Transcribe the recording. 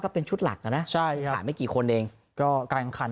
เป็นชุดหลักเนอะใช่ใช่ออกเป็นกี่คนเองก็การคัน